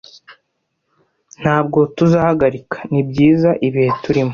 Ntabwo tuzahagarika ni byiza ibihe turimo